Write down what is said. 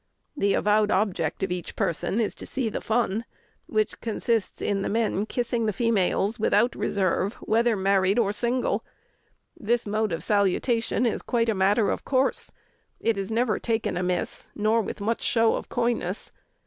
"The avowed object of each person is to see the fun, which consists in the men kissing the females, without reserve, whether married or single. This mode of salutation is quite a matter of course; it is never taken amiss, nor with much show of coyness.